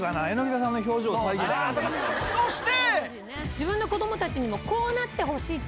そして！